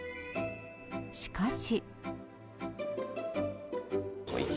しかし。